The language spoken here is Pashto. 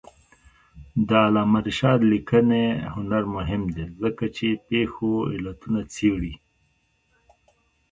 د علامه رشاد لیکنی هنر مهم دی ځکه چې پېښو علتونه څېړي.